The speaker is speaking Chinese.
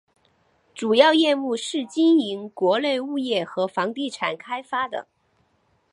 主要业务是经营国内物业和房地产开发的。